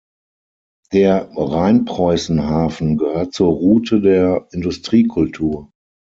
Der Rheinpreußen-Hafen gehört zur Route der Industriekultur.